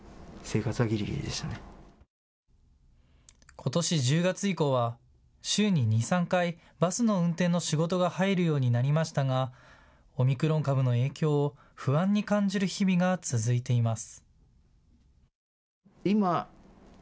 ことし１０月以降は週に２、３回バスの運転の仕事が入るようになりましたがオミクロン株の影響を不安に感じる日々が続いています。